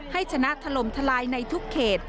ให้ชนะถล่มทลายในทุกเขต